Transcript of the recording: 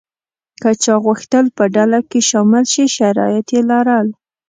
که چا غوښتل په ډله کې شامل شي شرایط یې لرل.